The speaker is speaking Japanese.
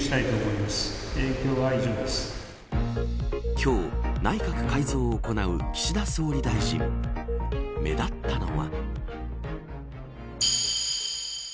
今日、内閣改造を行う岸田総理大臣目立ったのは。